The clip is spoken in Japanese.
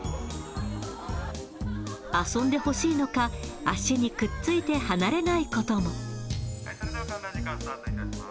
遊んでほしいのか、足にくっついて離れないことも。